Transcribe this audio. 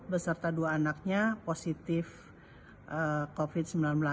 beserta dua anaknya positif covid sembilan belas